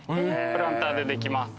プランターでできます。